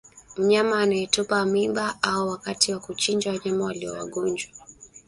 mnyama anayetupa mimba au wakati wa kuchinja wanyama walio wagonjwa